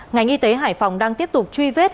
ngành y tế hải phòng đang tiếp tục truy vết